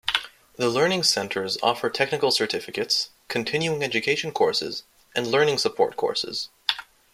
The learning centers offer technical certificates, continuing education courses, and learning support courses.